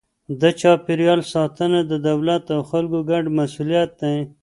د چاپیریال ساتنه د دولت او خلکو ګډه مسئولیت دی.